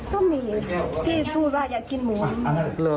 ก็มีที่พูดว่าอย่ากินหมู